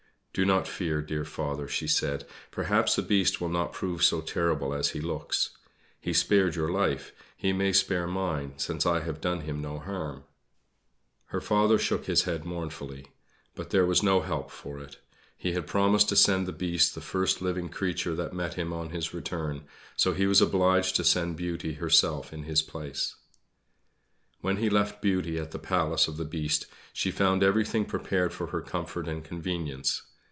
"Do not fear, dear father," she said, "perhaps the Beast will not prove so terrible as he looks. He spared your life; he may spare mine, since I have done him no harm." Her father shook his head mournfully; but there was no help for it. He had promised to send the Beast the first living creature that met him on his return, so he was obliged to send Beauty herself in his place. When he left Beauty at the palace of the Beast she found everything prepared for her comfort and convenience.